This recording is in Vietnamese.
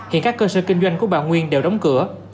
hiện các cơ sở kinh doanh của bà nguyên đều đóng cửa